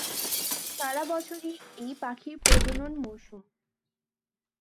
সারা বছরই এই পাখির প্রজনন মৌসুম।